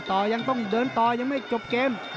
ต่อยังถึงเดินต่อยังไม่จบเกม